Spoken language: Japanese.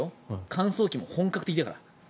乾燥機も本格的だから。